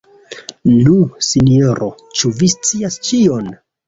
Nu, sinjoro, ĉu vi scias ĉion?